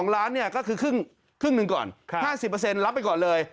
๑๒ล้านเนี่ยก็คือครึ่งครึ่งนึงก่อน๕๐เปอร์เซ็นต์รับไปก่อนเลย